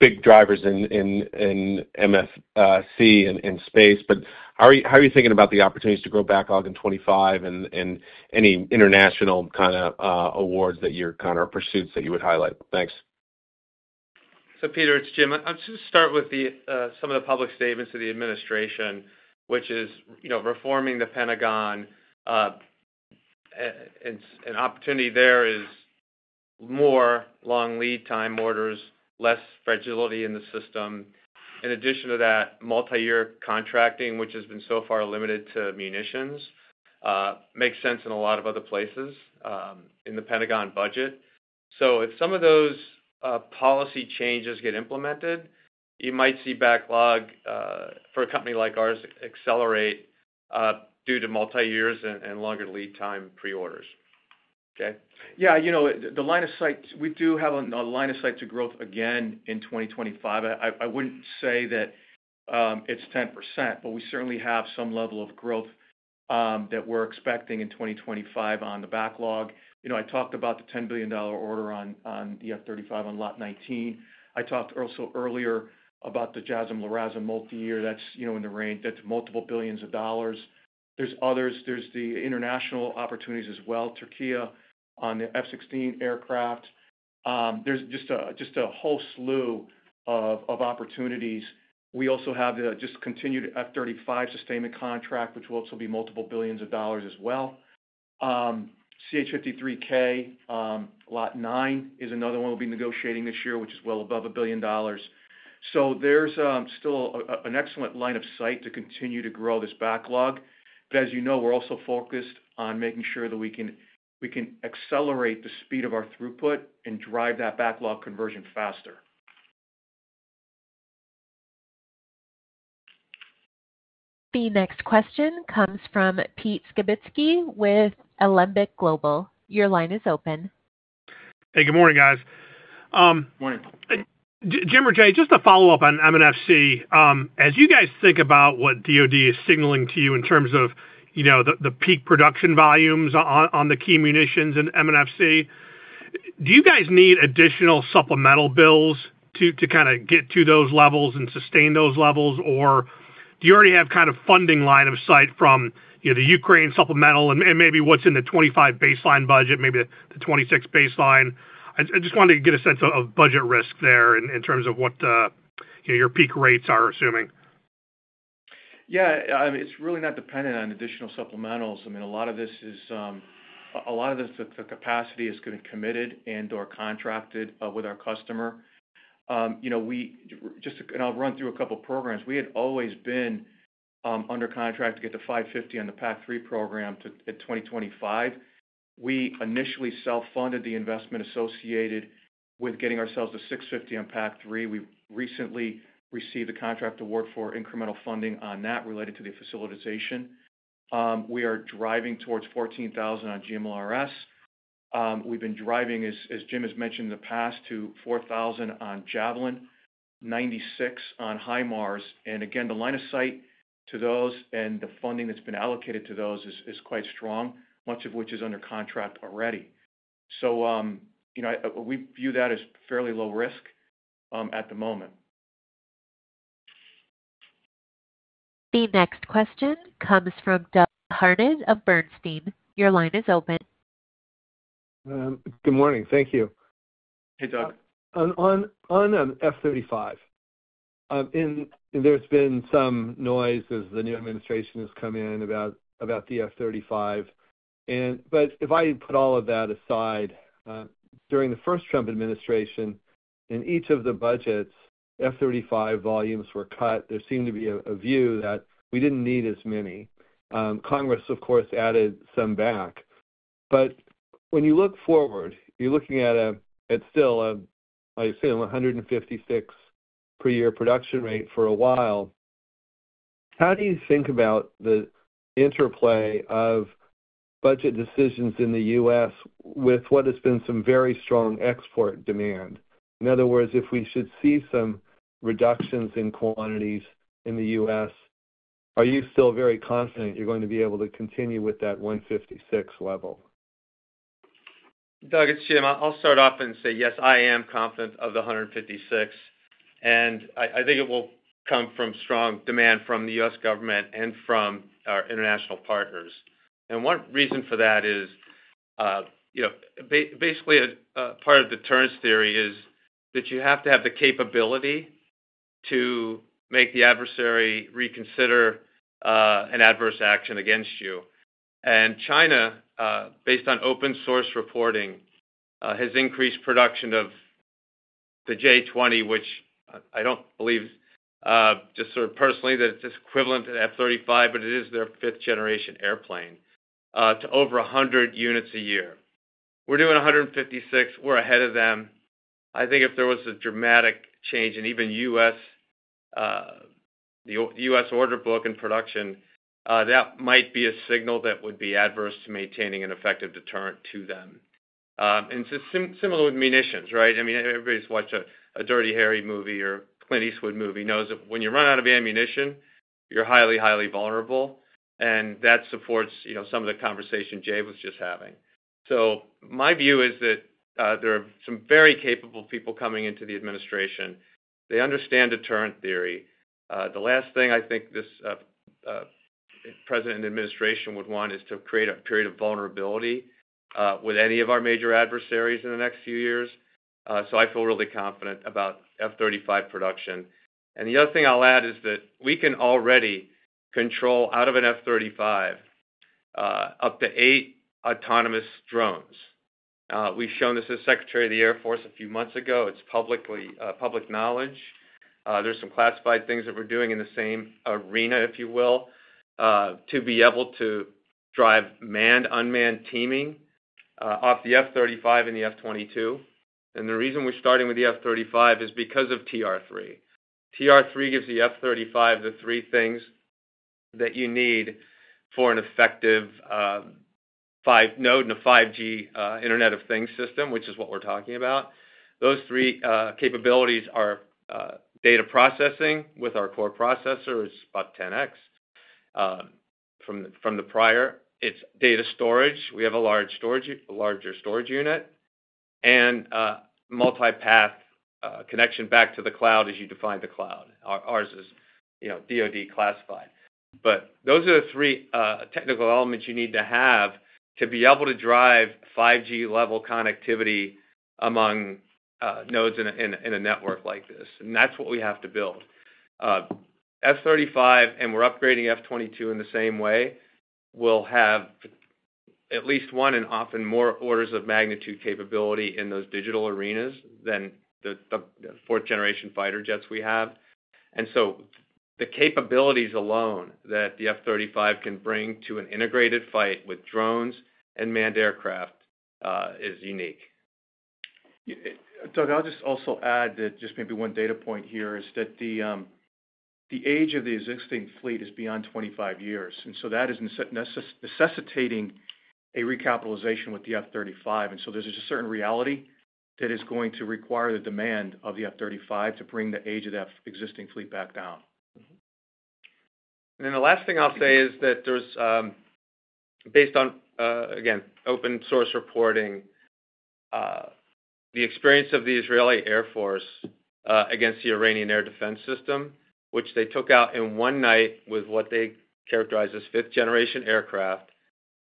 Big drivers in MFC and space. But how are you thinking about the opportunities to grow backlog in 2025 and any international kind of awards that you're kind of pursuing that you would highlight? Thanks. Peter, it's Jim. I'll just start with some of the public statements of the administration, which is reforming the Pentagon. An opportunity there is more long lead time orders, less fragility in the system. In addition to that, multi-year contracting, which has been so far limited to munitions, makes sense in a lot of other places in the Pentagon budget. So if some of those policy changes get implemented, you might see backlog for a company like ours accelerate due to multi-years and longer lead time pre-orders. Okay? Yeah. The line of sight, we do have a line of sight to growth again in 2025. I wouldn't say that it's 10%, but we certainly have some level of growth that we're expecting in 2025 on the backlog. I talked about the $10 billion order on the F-35 on Lot 19. I talked also earlier about the JASSM-LRASM multi-year. That's in the range that's multiple billions of dollars. There's others. There's the international opportunities as well, Turkiye on the F-16 aircraft. There's just a whole slew of opportunities. We also have the just continued F-35 sustainment contract, which will also be multiple billions of dollars as well. CH-53K, Lot 9 is another one we'll be negotiating this year, which is well above a billion dollars. So there's still an excellent line of sight to continue to grow this backlog. But as you know, we're also focused on making sure that we can accelerate the speed of our throughput and drive that backlog conversion faster. The next question comes from Pete Skibitski with Alembic Global. Your line is open. Hey. Good morning, guys. Good morning. Jim or Jay, just to follow up on MFC, as you guys think about what DOD is signaling to you in terms of the peak production volumes on the key munitions in MFC, do you guys need additional supplemental bills to kind of get to those levels and sustain those levels? Or do you already have kind of funding line of sight from the Ukraine supplemental and maybe what's in the 2025 baseline budget, maybe the 2026 baseline? I just wanted to get a sense of budget risk there in terms of what your peak rates are, assuming. Yeah. It's really not dependent on additional supplementals. I mean, a lot of this is the capacity getting committed and/or contracted with our customer, and I'll run through a couple of programs. We had always been under contract to get to 550 on the PAC-3 program in 2025. We initially self-funded the investment associated with getting ourselves to 650 on PAC-3. We recently received a contract award for incremental funding on that related to the facilitization. We are driving towards 14,000 on GMLRS. We've been driving, as Jim has mentioned in the past, to 4,000 on Javelin, 96 on HIMARS. And again, the line of sight to those and the funding that's been allocated to those is quite strong, much of which is under contract already. So we view that as fairly low risk at the moment. The next question comes from Doug Harned of Bernstein. Your line is open. Good morning. Thank you. Hey, Doug. On F-35, there's been some noise as the new administration has come in about the F-35. But if I put all of that aside, during the first Trump administration, in each of the budgets, F-35 volumes were cut. There seemed to be a view that we didn't need as many. Congress, of course, added some back. But when you look forward, you're looking at still, I assume, 156 per year production rate for a while. How do you think about the interplay of budget decisions in the U.S. with what has been some very strong export demand? In other words, if we should see some reductions in quantities in the U.S., are you still very confident you're going to be able to continue with that 156 level? Doug, it's Jim. I'll start off and say, yes, I am confident of the 156. And I think it will come from strong demand from the U.S. government and from our international partners. And one reason for that is basically part of deterrence theory is that you have to have the capability to make the adversary reconsider an adverse action against you. And China, based on open-source reporting, has increased production of the J-20, which I don't believe just sort of personally that it's equivalent to F-35, but it is their fifth-generation airplane, to over 100 units a year. We're doing 156. We're ahead of them. I think if there was a dramatic change in even the U.S. order book and production, that might be a signal that would be adverse to maintaining an effective deterrent to them. And similar with munitions, right? I mean, everybody's watched a Dirty Harry movie or Clint Eastwood movie. Everybody knows that when you run out of ammunition, you're highly, highly vulnerable, and that supports some of the conversation Jay was just having, so my view is that there are some very capable people coming into the administration. They understand deterrent theory. The last thing I think this president and administration would want is to create a period of vulnerability with any of our major adversaries in the next few years, so I feel really confident about F-35 production, and the other thing I'll add is that we can already control out of an F-35 up to eight autonomous drones. We've shown this to Secretary of the Air Force a few months ago. It's public knowledge. There's some classified things that we're doing in the same arena, if you will, to be able to drive manned-unmanned teaming off the F-35 and the F-22. The reason we're starting with the F-35 is because of TR-3. TR-3 gives the F-35 the three things that you need for an effective node and a 5G Internet of Things system, which is what we're talking about. Those three capabilities are data processing with our core processor. It's about 10x from the prior. It's data storage. We have a larger storage unit and multi-path connection back to the cloud as you define the cloud. Ours is DOD classified. But those are the three technical elements you need to have to be able to drive 5G-level connectivity among nodes in a network like this. That's what we have to build. F-35, and we're upgrading F-22 in the same way, will have at least one and often more orders of magnitude capability in those digital arenas than the fourth-generation fighter jets we have. And so the capabilities alone that the F-35 can bring to an integrated fight with drones and manned aircraft is unique. Doug, I'll just also add that just maybe one data point here is that the age of the existing fleet is beyond 25 years, and so that is necessitating a recapitalization with the F-35, and so there's a certain reality that is going to require the demand of the F-35 to bring the age of the existing fleet back down. And then the last thing I'll say is that there's, based on, again, open-source reporting, the experience of the Israeli Air Force against the Iranian air defense system, which they took out in one night with what they characterize as fifth-generation aircraft.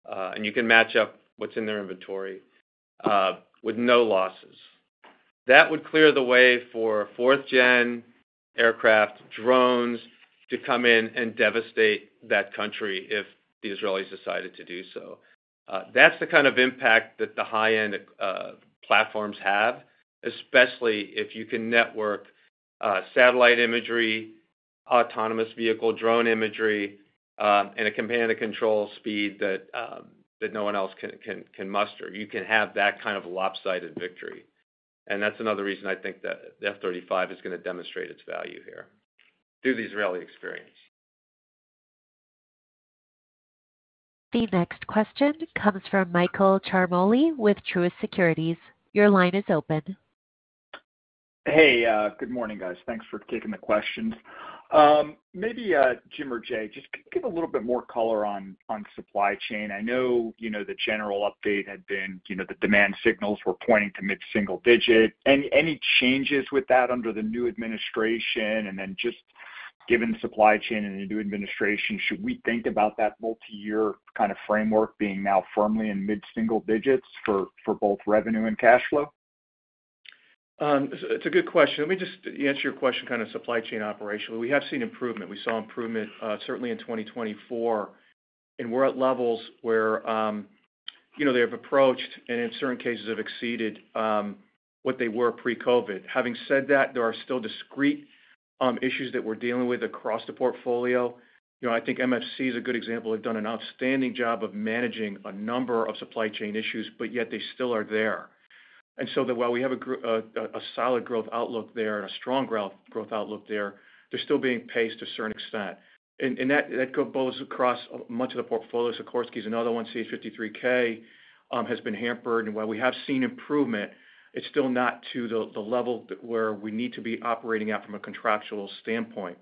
And you can match up what's in their inventory with no losses. That would clear the way for fourth-gen aircraft, drones to come in and devastate that country if the Israelis decided to do so. That's the kind of impact that the high-end platforms have, especially if you can network satellite imagery, autonomous vehicle drone imagery, and a command-and-control speed that no one else can muster. You can have that kind of lopsided victory. And that's another reason I think that the F-35 is going to demonstrate its value here through the Israeli experience. The next question comes from Michael Ciarmoli with Truist Securities. Your line is open. Hey. Good morning, guys. Thanks for taking the questions. Maybe Jim or Jay, just give a little bit more color on supply chain. I know the general update had been the demand signals were pointing to mid-single digit. Any changes with that under the new administration? And then just given supply chain and the new administration, should we think about that multi-year kind of framework being now firmly in mid-single digits for both revenue and cash flow? It's a good question. Let me just answer your question kind of supply chain operationally. We have seen improvement. We saw improvement certainly in 2024, and we're at levels where they have approached and in certain cases have exceeded what they were pre-COVID. Having said that, there are still discrete issues that we're dealing with across the portfolio. I think MFC is a good example. They've done an outstanding job of managing a number of supply chain issues, but yet they still are there. And so while we have a solid growth outlook there and a strong growth outlook there, they're still being paced to a certain extent, and that goes across much of the portfolios. Sikorsky is another one. CH-53K has been hampered, and while we have seen improvement, it's still not to the level where we need to be operating at from a contractual standpoint.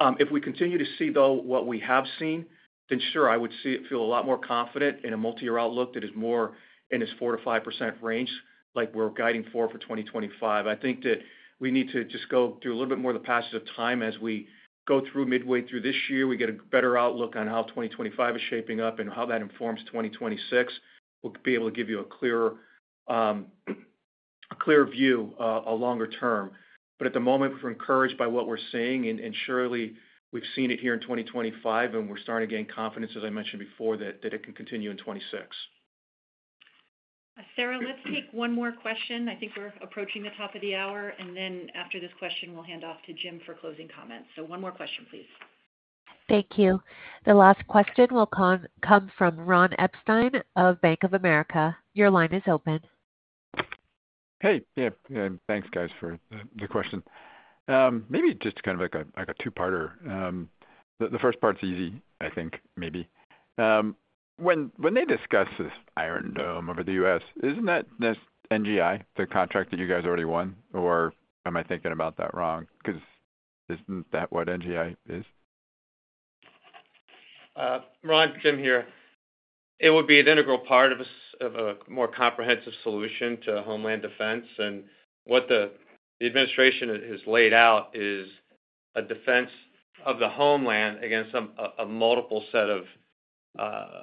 If we continue to see, though, what we have seen, then sure, I would feel a lot more confident in a multi-year outlook that is more in this 4%-5% range like we're guiding for 2025. I think that we need to just go through a little bit more of the passage of time as we go through midway through this year. We get a better outlook on how 2025 is shaping up and how that informs 2026. We'll be able to give you a clearer view longer term. But at the moment, we're encouraged by what we're seeing. And surely, we've seen it here in 2025, and we're starting to gain confidence, as I mentioned before, that it can continue in 2026. Sarah, let's take one more question. I think we're approaching the top of the hour. And then after this question, we'll hand off to Jim for closing comments. So one more question, please. Thank you. The last question will come from Ron Epstein of Bank of America. Your line is open. Hey. Yeah. Thanks, guys, for the question. Maybe just kind of like a two-parter. The first part's easy, I think, maybe. When they discuss this Iron Dome over the U.S., isn't that NGI, the contract that you guys already won? Or am I thinking about that wrong? Because isn't that what NGI is? Ron, Jim here. It would be an integral part of a more comprehensive solution to homeland defense. And what the administration has laid out is a defense of the homeland against a multiple set of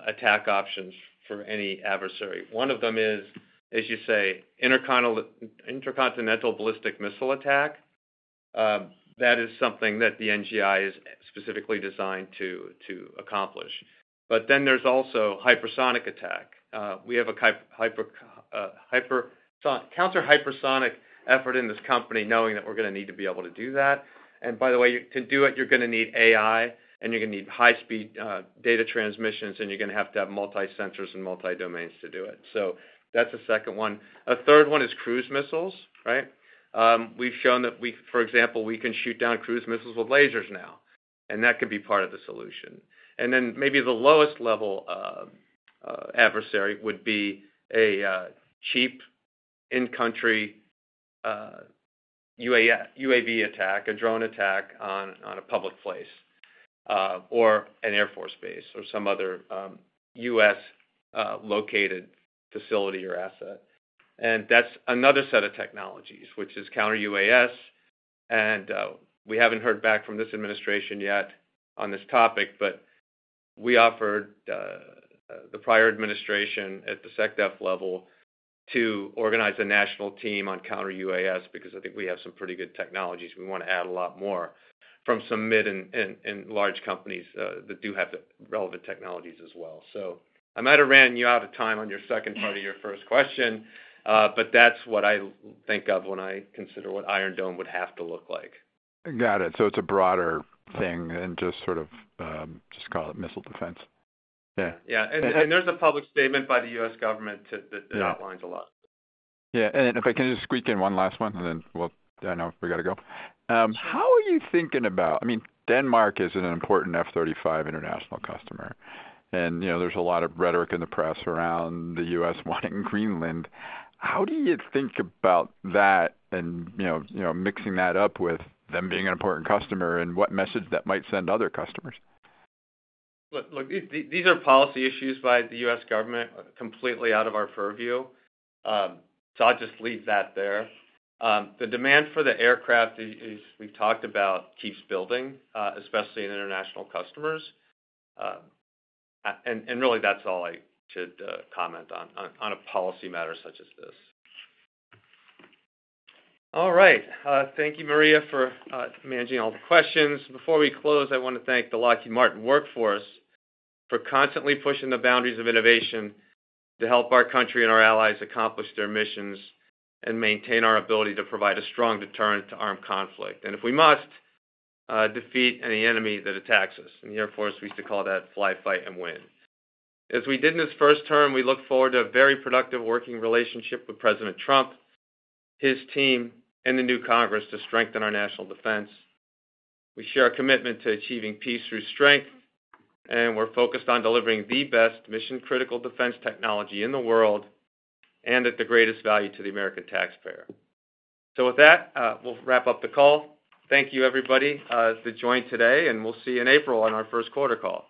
attack options for any adversary. One of them is, as you say, intercontinental ballistic missile attack. That is something that the NGI is specifically designed to accomplish. But then there's also hypersonic attack. We have a counter-hypersonic effort in this company, knowing that we're going to need to be able to do that. And by the way, to do it, you're going to need AI, and you're going to need high-speed data transmissions, and you're going to have to have multi-sensors and multi-domains to do it. So that's the second one. A third one is cruise missiles, right? We've shown that, for example, we can shoot down cruise missiles with lasers now. And that could be part of the solution. And then maybe the lowest level adversary would be a cheap in-country UAV attack, a drone attack on a public place or an air force base or some other U.S.-located facility or asset. And that's another set of technologies, which is counter-UAS. And we haven't heard back from this administration yet on this topic, but we offered the prior administration at the SecDef level to organize a national team on counter-UAS because I think we have some pretty good technologies. We want to add a lot more from some mid and large companies that do have the relevant technologies as well. So I might have ran you out of time on your second part of your first question, but that's what I think of when I consider what Iron Dome would have to look like. Got it, so it's a broader thing and just sort of call it missile defense. Yeah. Yeah, and there's a public statement by the U.S. government that outlines a lot. Yeah. And if I can just squeak in one last one, and then I know we got to go. How are you thinking about, I mean, Denmark is an important F-35 international customer. And there's a lot of rhetoric in the press around the U.S. wanting Greenland. How do you think about that and mixing that up with them being an important customer and what message that might send other customers? Look, these are policy issues by the U.S. government completely out of our purview. So I'll just leave that there. The demand for the aircraft we've talked about keeps building, especially in international customers. And really, that's all I could comment on a policy matter such as this. All right. Thank you, Maria, for managing all the questions. Before we close, I want to thank the Lockheed Martin workforce for constantly pushing the boundaries of innovation to help our country and our allies accomplish their missions and maintain our ability to provide a strong deterrent to armed conflict. And if we must, defeat any enemy that attacks us. And the Air Force, we used to call that fly, fight, and win. As we did in his first term, we look forward to a very productive working relationship with President Trump, his team, and the new Congress to strengthen our national defense. We share a commitment to achieving peace through strength, and we're focused on delivering the best mission-critical defense technology in the world and at the greatest value to the American taxpayer. So with that, we'll wrap up the call. Thank you, everybody, for joining today, and we'll see you in April on our first quarter call.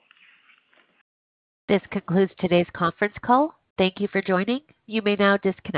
This concludes today's conference call. Thank you for joining. You may now disconnect.